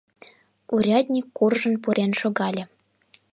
— Урядник куржын пурен шогале.